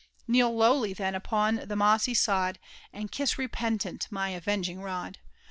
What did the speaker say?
Kneel lowljr then upon the mossy sod. And kisa repentant my avenging r«d.